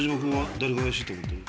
誰が怪しいと思ってる？